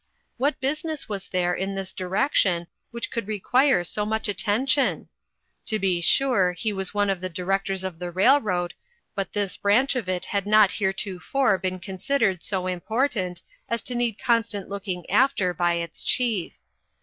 What business was there in this di rection which could require so much atten tion? To be sure, he was one of the Di rectors of the railroad, but this branch of it had not heretofore been considered so 426 INTERRUPTED. important as to need constant looking after by its chief.